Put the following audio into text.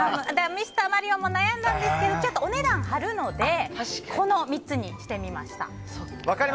ミスターマリオンも悩んだんですけどちょっとお値段が張るのでこの３つにしてみました。